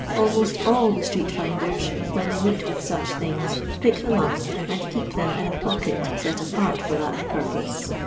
Almost all the street finders, when they meet with such things, pick them up,' and keep them in' a pocket set apart for that purpose.